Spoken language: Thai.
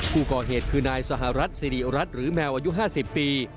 ผู้ก่อเหตุคือนายสหรัฐสิริรัตน์หรือแมวอายุ๕๐ปี